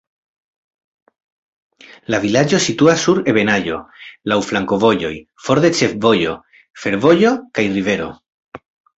La vilaĝo situas sur ebenaĵo, laŭ flankovojoj, for de ĉefvojo, fervojo kaj rivero.